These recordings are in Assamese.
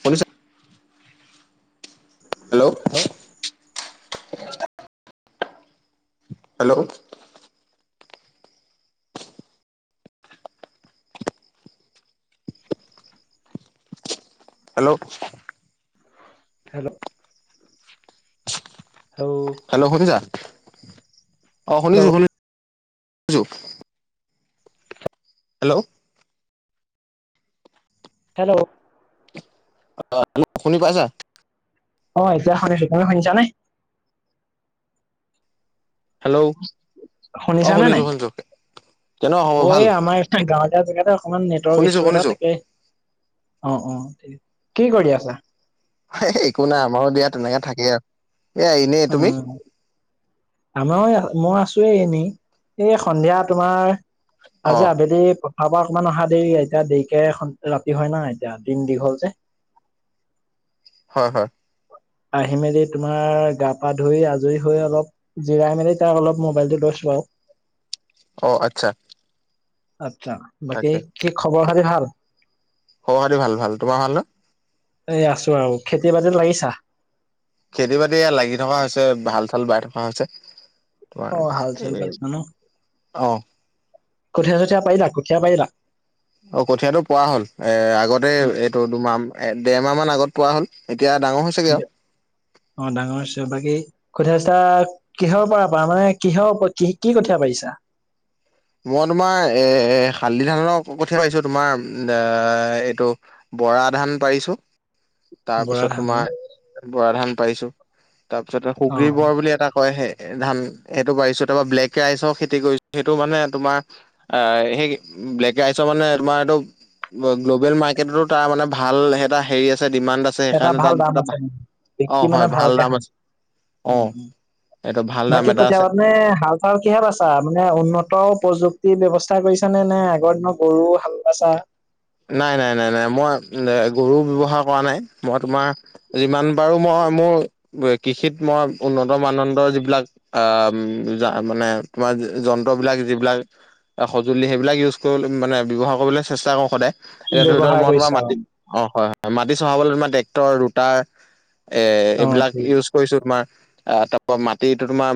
শুনিছ hello hello hello hello hello শুনিছা অহ শুনিছো শুনিছো হেল্ল' হেল্ল' অহ হেল্ল শুনি পাইছা অহ এতিয়া শুনিছো তুমি শুনিছানে হেল্ল' অ শুনিছানে শুনিছো নাই শুনিছো কেনে হ'ব ভাল এই আমাৰ এটা গাঁৱত এয়া জেগাতে অকণমান নেটৱৰ্ক শুনিছো ইছু এটা শুনিছো থাকেই অ অ ঠিক কি কৰি আছা একো নাই আমাৰো দিয়া তেনেকা থাকেই আৰু এয়া এনেই উ তুমি আমাৰ মই আছো কিয় এনে এই সন্ধিয়া তোমাৰ অ আজি আবেলি আমা অকমান অহা দে এতিয়া দেৰিকে এ ৰাতি হয় না এতিয়া দিন দীঘল যে [unintelligible] হয় হয় আহি মেলি তোমাৰ গা পা ধুই আজৰি হৈ অলপ জিৰাই মেলি তাৰ অলপ মোবাইলটো লৈছোঁ আৰু [inaudible] [unintelligible] অঁহ আচ্ছা আচ্ছা বাকী তাকে কি খবৰ খাতি ভাল খবৰ খাতি ভাল ভাল তোমাৰ ভাল ন এ আছো আৰু খেতি বাতিত লাগিছা খেতি বাতি লাগি থকা হৈছে হাল চাল বাই থকা হৈছে তোমাৰ অহ হাল চাল এ বাইছা ন অ কঠিয়া চঠীয়া পাৰিলা কঠিয়া পাৰিলা অহ কঠিয়া টো পৰা হ'ল এ আগতে অ এইটো দুমাহ এ দেৰমাহ মান আগত পোৱা হ'ল এতিয়া ডাঙৰ হৈছেগে আৰু অহ ডাঙৰ হৈছে বাকী কঠিয়া চঠীয়া কিহৰ পৰা প মানে কিহৰ কি কি কঠীয়া পাৰিছা মই তোমাৰ এ শালি ধানৰ কঠিয়া পাইছো তোমাৰ এ এইটো বৰা ধান পাৰিছো বৰা তাৰপিছত ধান ন তোমাৰ বৰা ধান পাৰিছো তাৰপিছতে অ সুগ্ৰী বৰা বুলি এটা কয় হে এ ধান সেইটো বাৰিছো তাৰপৰা ব্লেক ৰাইচৰ খেতি কৰিছো সেইটো মানে তোমাৰ আহ সেই ব্লেক ৰাইচৰ মানে তোমাৰ এইটো গ্ল'বেল মাৰ্কেটতো তাৰ মানে ভাল এটা হেৰি ডিমাণ্ড আছে এটা সেইকাৰণে ভাল তাত দাম আছে এটা মানে, অ বিক্ৰী মানে হয় ভাল ভালকে দাম হয় আছে অ উম উম এইটো ভাল দাম বাকী এটা কঠিয়া আছে মানে হাল চাল কিহে বাইছা মানে উন্নত প্ৰযুক্তি ব্যৱস্থা কৰিচা নে আগৰ দিনৰ গৰু হাল বাইচা নাই নাই নাই নাই মই গৰু ব্যৱহাৰ কৰা নাই মই তোমাৰ যিমান পাৰো মই মোৰ কৃষিত মই উন্নত মানদণ্ডৰ যিবিলাক আহ মানে আমাৰ যন্ত্ৰবিলাক যিবিলাক সঁজুলি সেইবিলাক ইউজ কৰি মানে ব্যৱহাৰ কৰিবলৈ চেষ্টা কৰো সদায় এতিয়া ধৰি লোৱা ব্যৱহাৰ মই তোমাৰ কৰিছা মাটিত অ হয় হয় মাটি চহাবলৈ তোমাৰ ট্ৰেক্টৰ ৰুটাৰ এ অ এইবিলাক ঠিক ইউজ কৰিছো তোমাৰ আহ তাৰ পৰা মাটিটো তোমাৰ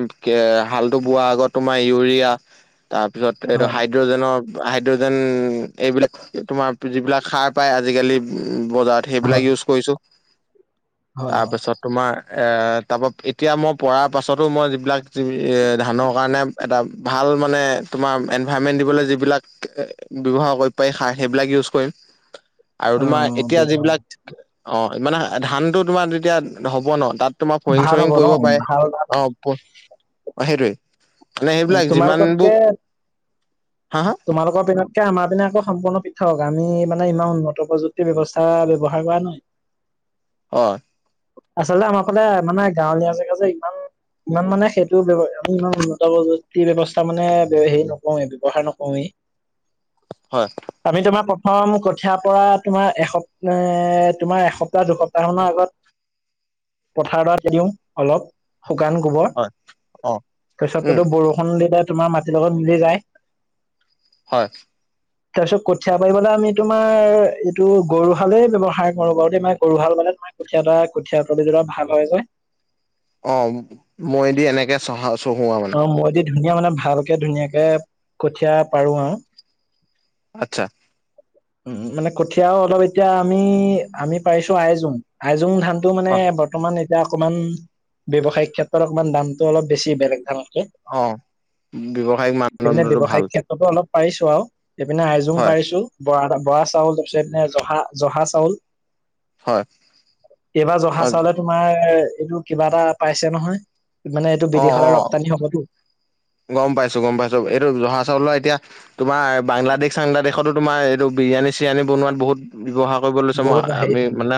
হালটো বোৱাৰ আগত তোমাৰ ইউৰিয়া তাৰপিছত এইটো হয় হাইড্ৰজেনৰ হাইড্ৰজেন এইবিলাক তোমাৰ যিবিলাক সাৰ পায় আজিকালি বজাৰত সেইবিলাক হয় ইউজ কৰিছোঁ হয় হয় তাৰপিছত তোমাৰ তাৰপৰা এতিয়া মই পৰাৰ পাছতো মই যিবিলাক ধানৰ কাৰণে এটা ভাল মানে তোমাৰ এনভাইৰমেন্ত দিবলে যিবিলাক ব্যৱহাৰ কৰিব পাৰি সাৰ সেইবিলাক ইওজ কৰিম অ তোমাৰ অ এতিয়া ব্যৱহাৰ যিবিলাক অ মানে ধানটো তোমাৰ তেতিয়া হ'ব ন তাত তোমাৰ ফৰিং ভাল চৰিং হ'ব ন পৰিব পাৰে ভাল ভাল অ অ সেইটোৱে মানে অ সেইবিলাক যিমানবোৰ তোমালোকতকে হা হা তোমালোকৰ পিনতকে আমাৰ পিনে আকৌ সম্পূৰ্ণ পৃথক আমি ইমান উন্নত প্ৰযুক্তিৰ ব্যৱস্থা ব্যৱহাৰ কৰা নাই অ আচলতে আমাৰ ফালে মানে গাঁৱলীয়া জেগা যে ইমান ইমান মানে সেইটোৱ ইমান উন্নত প্ৰযুতি ব্যৱস্থা মানে হেৰি নকোৰোৱেই ব্যৱহাৰ নক কম হয় আমি তোমাক। হয় ম কঠিয়াৰ পৰা তোমাৰ এসপ এ তোমাৰ এসপ্তাহ দুসপ্তাহ মানৰ আগত। পথাৰডৰাত দিওঁ অলপ। শুকান গোবৰ হয় অ উম তাৰপিছততো বৰষুণ দি তাত তোমাৰ মাটিৰ লগত মিলি যায়। হয়। তাৰ পিছত কঠীয়া পাৰিবলৈ আমি তোমাৰ এইটো গৰু হালেই ব্যৱহাৰ কৰো বাৰুতে আমাৰ গৰুহাল মানে। তাৰ কঠীয়া এটা কঠীয়া তলি যৰা ভাল হয় যে। অ মৈ দি এনেকে চহা চহোৱা অ মানে। মই দি ধুনীয়া মানে ভালকে ধুনীয়াকে কঠিয়া পাৰো আও। আত্ছা। উম মানে কঠিয়াও অলপ এতিয়া আমি আমি পাৰিছো আইজোং আইজোং ধান। টো মানে অ বৰ্তমান এতিয়া অকণমান ব্যৱসায়িক ক্ষেত্ৰত অকমান দামতটো অলপ বেছি বেলেগ ধান। অ ব্যৱসায়িক সেইপিনে মানদণ্ডটো ভাল ব্যৱসায়িক ক্ষেত্ৰতো অলপ। পাৰিছো আৰু এইপিনে আইজোং হয় পাৰিছো বৰা বৰা চাউল তাৰপিছত এই পিনে জহা জহা চাউল। হয় এইবাৰ জহা অ চাউলে তোমাৰ। এইটো কিবা এটা পাইছে নহয়। মানে এইটো অ বিদেশলৈ অ ৰপ্তানি হবতো গম পাইছো গম পাইছো এইটো জহা চাউলল এতিয়া। তোমাৰ বাংলাদেশ চাংলাদেশতো তোমাৰ এইটো বিৰিয়ানী চিৰিানী বনোৱাত বহুত ব্যৱহাৰ। কৰিব লৈছো মই বহুত হেৰি হ'বআমি পাম মানে।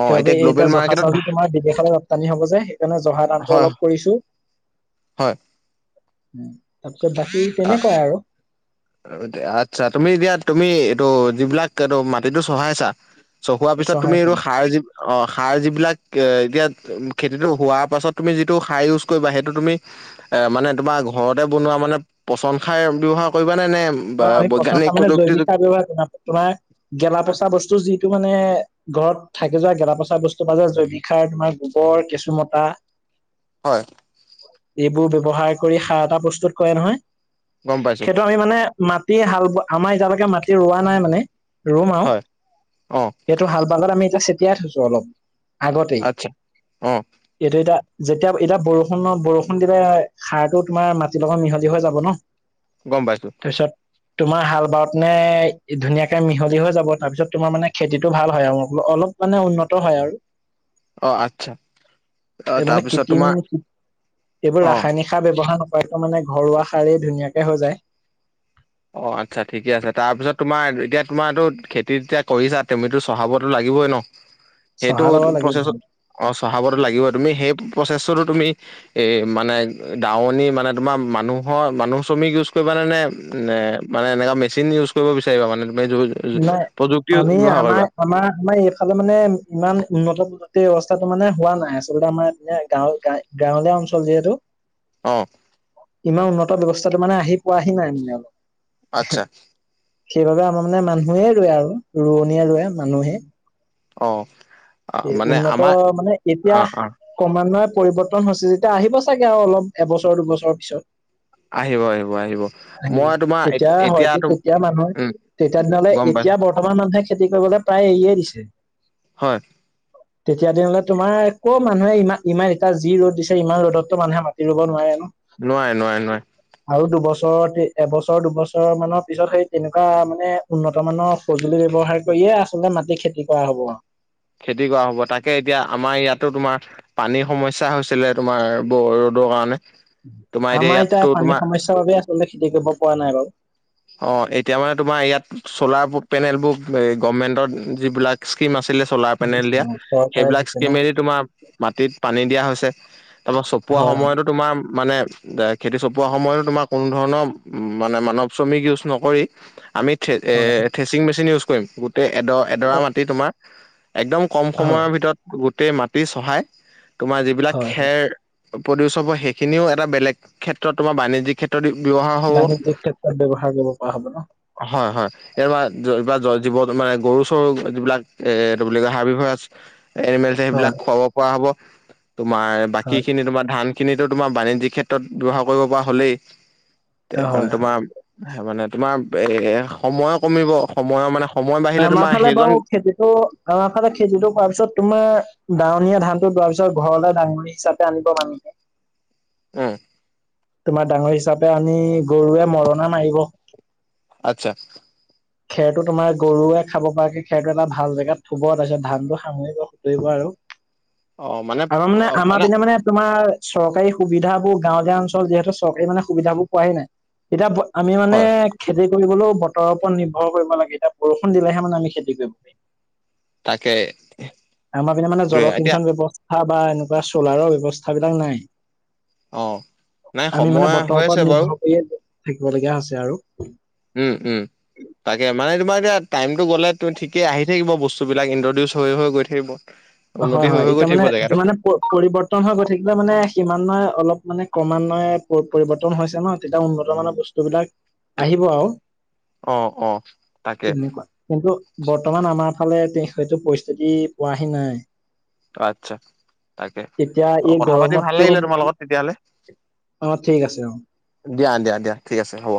অ সেইবাবে এই এতিয়া গ্ল'বেল জহা মাৰ্কেটত চাউলো তোমাৰ বিদেশলৈ ৰপ্তানি হব যে সেইকাৰণে জহা। হয় অলপ কৰিছো। উ হয় তাৰপিছত বাকী অ তেনেকুৱাই আৰু। আচ্ছা তুমি এতিয়া তুমি এইটো যিবিলাক এইটো মাটিতটো চহাইছা। চহোৱাৰ পিছত চহাই তুমি এই কৰি সাৰ যি অ সাৰ যিবিলাক। এ এতিয়া খেতিটো হোৱাৰ পাছত তুমি যিটো সাৰ ইউজ কৰিবা সেইটো তুমি এ মানে তোমাৰ ঘৰতে বনোৱা মানে পচন হাৰ ব্যৱহাৰ। কৰিবা নে নে বা আমি বৈজ্ঞানিক [unintelligible] মানে প্ৰযুক্তি জৈৱিক যুক সাৰ ব্যৱহাৰ তোমাৰ গেলা পচা বস্তু যিটো মানে। ঘৰত থাকি যোৱা গেলা পচা বস্তু প যে জৈৱিক সাৰ তোমাৰ গোবৰ কেঁচু মতা। হয়। এইবোৰ ব্যৱহাৰ কৰি সাৰ এটা বস্তুত কৰে নহয় গম পাইছো সেইটো আমি মানে মাটি হাল ব আমাৰ এতিয়ালৈকে মাটি ৰোৱা নাই মানে ৰুম আও। হয় অ এইটো হাল বালত আমি এতিয়া চটিয়াই থৈছো অলপ আগতেই আচ্ছা অ এইটো এতিয়া। যেতিয়া এতিয়া বৰষুণ বৰষুণ দিলে সাৰটো তোমাৰ মাটিৰ লগত মিহলি হৈ যাব ন। গম পাইছো। তাৰপিছত তোমাৰ হাল বাৰত নে ধুনীয়াকে মিহলি হৈ যাব তাৰপিছত তোমাৰ মানে। খেতিটো ভাল হয় আৰু অলপ মানে উন্নত হয় আৰু। অ আচ্ছা। অ এই মানে তাৰপিছত কৃত্ৰিম তোমাৰ এইবোৰ অ ৰাসায়নিক সাৰ ব্যৱহাৰ নক- উপায়টো মানে ঘৰুৱা সাৰেই ধুনীয়াকে হৈ যায়। অ আচ্ছা ঠিকে আছে তাৰপিছত তোমাৰ এতিয়া তোমাৰো খেতি তেতিয়া কৰিছা তুমিতো চহাবতো লাগিবই ন। সেইটো চহা ল'ব লাগিব প্ৰচেছত অ চহাবতো লাগিব তুমি সেই প্ৰচেছটো তুমি এই মানে দাৱনী মানে তোমাৰ মানুহৰ মানুহ শ্ৰমিক ইউজ কৰিবা নেনে নে মানে এনেকা মেচিন ইউজ কৰিব বিচাৰিবা মানে। তুমি নাই প্ৰযুক্তি আমি ব্যৱহাৰ কৰিবা আমাৰ আমাৰ আমাৰ এইফালে মানে ইমান উন্নত গোটেই অৱস্থাটো মানে হোৱা নাই আচলতে আমাৰ এ গাঁৱ গাঁৱলীয়া অঞ্চল যিহেতু। অ ইমান উন্নত ব্যৱস্থাটো মানে আহি। পোৱাহি নাই মানে অলপ আচ্ছা সেইবাবে আমাৰ। মানে মানুহে ৰুৱে আৰু ৰোৱনীয়ে ৰুৱে মানুহে। অ এ মানে উন্নত আমাৰ মানে এতিয়া অ অ ক্ৰমানয়ত পৰিৱৰ্তন হৈছে যেতিয়া আহিব চাগে আৰু অলপ এবছৰ দুবছৰৰ পিছত আহিব আহিব আহিব আহিব মই তোমাৰ তেতিয়া হয়তো এতিয়া ত তেতিয়া মানুহে উম তেতিয়া দিনলে গম পাই এতিয়া বৰ্তমান মানুহে খেতি কৰিবলৈ প্ৰায় এৰিয়ে হয় দিছে তেতিয়া দিনলে তোমাৰ কত মানুহে ইমান ইমান এতিয়া যি ৰ'দ দিছে ইমান ৰ'দতটো মানুহে মাতি ৰুব নোৱাৰে ন নোৱাই নোৱাই নোৱা আৰু দুবছৰতে এবছৰ দুবছৰ মানৰ পিছত সেই তেনেকুৱা মানে উন্নত মানৰ সঁজুলি ব্যৱহাৰ কৰিয়ে আচলতে মাটি খেতি কৰা হ'ব খেতি কৰা হ'ব তাকে এতিয়া আমাৰ ইয়াত টো তোমাৰ পানীৰ সমস্যা হৈছিলে তোমাৰ ৰ'দৰ কাৰণে তোমাৰ আমাৰ ইয়াততো এতিয়া তোমাৰ পানীৰ সমস্যাৰ বাবে আচলতে খেতি কৰিব পৰা নাই বাৰু অ এতিয়া মানে তোমাৰ ইয়াত চলাৰ পেনেলবোৰ এই গভমেন্টৰ যিবিলাক স্কীম আছে চলাৰ পেনে দিয়া চৰকাৰে সেইবিলাক দিছে ন স্ক্ৰীমেদি তোমাৰ মাটিত পানী দিয়া হৈছে তাৰপৰা চপোৱা হয় হয় সময়তো তোমাৰ মানে খেতি চপোৱা সময়তো তোমাৰ কোনো ধৰণৰ মানে মানৱ শ্ৰমিক ইউজ নকৰি আমি থে হয় থেচিং মেচিন ইউজ কৰিম গোটেই এড এডৰা হয় মাটি তোমাৰ একদম কম হয় সময়ৰ ভিতৰত গোটেই মাটি চহাই তোমাৰ যিবিলাক হয় হয় খেৰ প্ৰদিউচ্ হব সেইখিনিও এটা বেলেগ ক্ষেত্ৰত তোমাৰ বাণিজ্যিক ক্ষেত্ৰত ব্যৱহাৰ হ'ব থাকিব পৰা হ'ব ন হয় হয় এইাৰ এই জীৱ মানে গৰু চৰু যিবিলাক এ এইটো বুলি কয় হাৰ্বি ভৰাছ এমেলে এবিলাক হয় খুৱাব পৰা হ'ব তোমাৰ বাকী হয় খিনি তোমাৰ ধান খিনিটো তোমাৰ বাণিজ্যিক ক্ষেত্ৰত ব্যৱহাৰ কৰিব পৰা হ'লেই মানে হয় হয় তোমাৰ স মানে তোমাৰ এ সময়ো কমিব সময়ো মানে সময় বাঢ়িলে আমাৰ তোমাৰ ফালে সেইজন বাৰু খেতিটো আমাৰ ফালে খেতিটো কৰোৱাৰ পিছত তোমাৰ ডাৱনীয়ে ধানটো দোৱাৰ পিছত ঘৰলৈ ডাঙৰী হিচাপে আনিব মানুহে উম তোমাৰ ডাঙৰী হিচাপে আনি গৰুৱে মৰণা মাৰিব আতছা খেৰটো তোমাৰ গৰুৱে খাব পৰাকে খেৰটো এটা ভাল জেগাত থব তাৰপিছত ধান টো সামৰিব শুতৰিব আৰু আমাৰ মানে আমাৰ পিনে মানে তোমাৰ চৰকাৰী সুবিধাবোৰ গাঁৱলীয়া অঞ্চল যিহেতু চৰকাৰী মানে সুবিধাবোৰ পোৱাই নাই এতিয়া আমি মানে হয় খেতি কৰিবলৈও বতৰৰ ওপৰত নি কৰিব লাগে এতিয়া বৰষুণ দিলেহে মানে আমি খেতি কৰিব পাৰিম তাকে আমাৰ পিনে মানে এইটোৱে এতিয়া জলসিঞ্চন ব্যৱস্থা বা এনেকুৱা চলাৰৰ ব্যৱস্থা বিলাক নাই অ নাই আমি মানে সময় হৈ বতৰৰ আছে ওপৰত বাৰু নিৰ্ভৰ কৰিয়ে থাকিব লগীয়া হৈছে আৰু উম উম তাকে মানে তোমাৰ এতিয়া টাইমটো গ'লে ঠিকেই আহি থাকিব বস্তুবিলাক ইণ্ট্ৰডিউচ হৈ হৈ গৈ থাকিব উন্নতি হয় হৈ হয় হৈ গৈ এতিয়া মানে থাকিব যি জেগাটো। মানে পৰিবৰ্তন হৈ গৈ থাকিলে মানে কিমান্বয়ে অলপ মানে ক্ৰমান্বয়ে পৰিবৰ্তন হৈছে ন তেতিয়া উন্নত মানৰ বস্তুবিলাক আহিব আৰু অ', অ', তাকে তেনেকুৱা কিন্তু বৰ্তমান আমাৰ ফালে সেইটো পৰিস্থিতি পোৱাহি নাই আচ্ছা তাকে এতিয়া অ এই কথা পাতি ভাল গৰমতটো লাগিলে তোমাৰ লগত তেতিয়াহলে অ ঠিক আছে অ দিয়া দিয়া দিয়া ঠিক আছে হ'ব